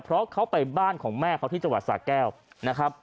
เพราะเขาไปบ้านของแม่เขาที่จังหวัดสาแก้วนะครับ